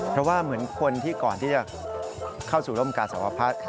เพราะว่าเหมือนคนที่ก่อนที่จะเข้าสู่ร่มกาสวพัฒน์